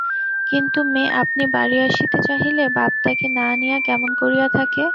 কিন্তু মেয়ে আপনি বাড়ি আসিতে চাহিলে বাপ তাকে না আনিয়া কেমন করিয়া থাকে।